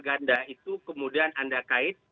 ganda itu kemudian anda kait